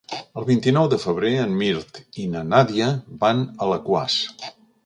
El vint-i-nou de febrer en Mirt i na Nàdia van a Alaquàs.